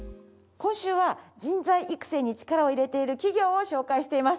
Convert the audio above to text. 今週は人材育成に力を入れている企業を紹介しています。